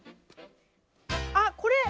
あっこれ！